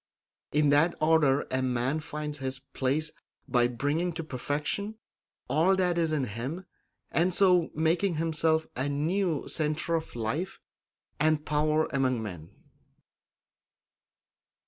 In that order a man finds his place by bringing to perfection all that is in him, and so making himself a new centre of life and power among men.